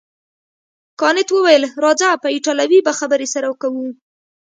کانت وویل راځه په ایټالوي به خبرې سره کوو.